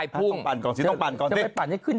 ต้องปั่นจะไปปั่นให้ขึ้นแล้วย